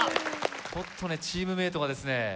ちょっとねチームメイトがですね